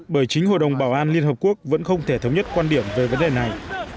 bởi chính hội đồng bảo an liên hợp quốc vẫn không thể thống nhất quan điểm về vấn đề này